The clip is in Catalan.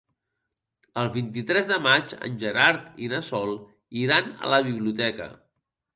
El vint-i-tres de maig en Gerard i na Sol iran a la biblioteca.